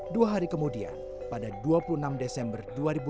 dua hari kemudian pada dua puluh enam desember dua ribu dua puluh